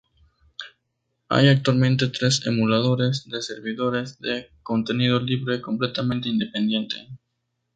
Hay actualmente tres emuladores de servidores de contenido libre completamente independiente.